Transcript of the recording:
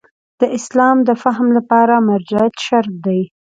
د اسلام د فهم لپاره مرجعیت شرط دی.